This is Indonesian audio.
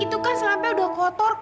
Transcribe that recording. itu kan selapnya udah kotor kang